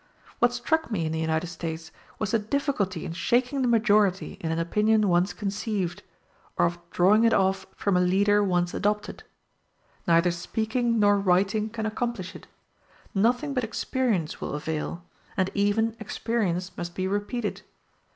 What struck me in the United States was the difficulty in shaking the majority in an opinion once conceived, or of drawing it off from a leader once adopted. Neither speaking nor writing can accomplish it; nothing but experience will avail, and even experience must be repeated.